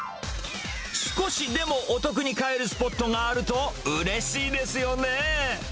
少しでもお得に買えるスポットがあるとうれしいですよね。